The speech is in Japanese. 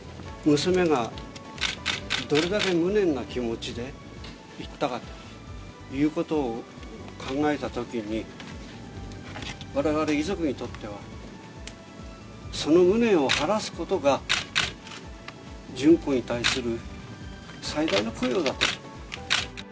娘がどれだけ無念な気持ちでいったかということを考えたときに、われわれ遺族にとっては、その無念を晴らすことが、順子に対する最大の供養だと。